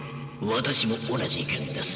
私も同じ意見です。